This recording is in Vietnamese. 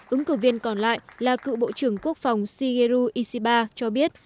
ứng cử viên còn lại là cựu bộ trưởng quốc phòng shigeru ishiba cho biết